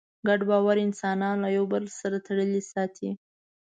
ګډ باور انسانان له یوه بل سره تړلي ساتي.